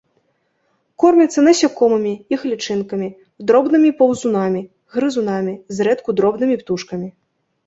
Кормяцца насякомымі, іх лічынкамі, дробнымі паўзунамі, грызунамі, зрэдку дробнымі птушкамі.